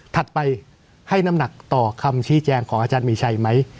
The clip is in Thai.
ไปให้น้ำหนักต่อคำชี้แจงของอาจารย์มีชัยไหม